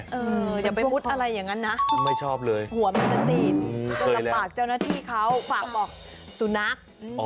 อย่าไปมุดอะไรอย่างนั้นนะไม่ชอบเลยหัวมันจะติดกับปากเจ้าหน้าที่เขาฝากบอกสุนัข